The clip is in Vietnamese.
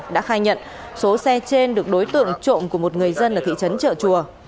đã khai nhận số xe trên được đối tượng trộm của một người dân ở thị trấn trợ chùa